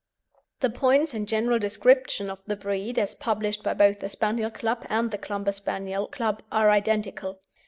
The points and general description of the breed as published by both the Spaniel Club and the Clumber Spaniel Club are identical.